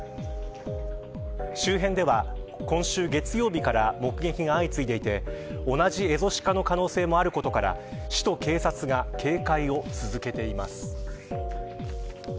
周辺では今週月曜日から目撃が相次いでいて同じエゾシカの可能性もあることから市と警察が警戒を続けています。